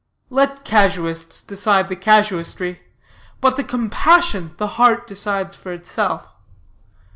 "Let casuists decide the casuistry, but the compassion the heart decides for itself.